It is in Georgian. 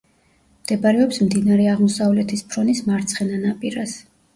მდებარეობს მდინარე აღმოსავლეთის ფრონის მარცხენა ნაპირას.